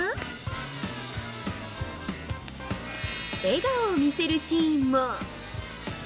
笑顔を見せるシーンも。